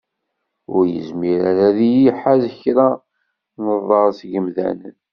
Ur yezmir ara ad iyi-d-iḥaz kra n ḍḍer seg yemdanen.